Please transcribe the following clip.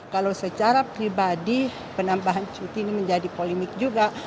kalau secara pribadi penambahan cuti ini menjadi polemik juga